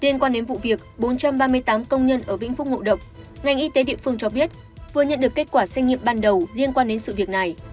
liên quan đến vụ việc bốn trăm ba mươi tám công nhân ở vĩnh phúc ngộ độc ngành y tế địa phương cho biết vừa nhận được kết quả xét nghiệm ban đầu liên quan đến sự việc này